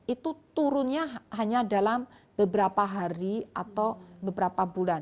itu turunnya hanya dalam beberapa hari atau beberapa bulan